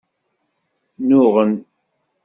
Nnuɣen.